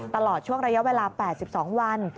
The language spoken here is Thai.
ตลอดช่วงระยะเวลา๘๒วัน